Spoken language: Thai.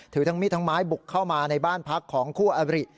ถือถังมิดทั้งหมายบุกเข้ามาในบ้านภักดิ์ของคู่อริ